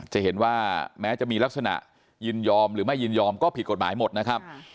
จะเห็นว่าแม้จะมีลักษณะยินยอมหรือไม่ยินยอมก็ผิดกฎหมายหมดนะครับ